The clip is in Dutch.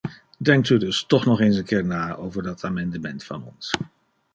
Denkt u dus toch nog eens een keer na over dat amendement van ons!